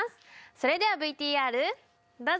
それではＶＴＲどうぞ！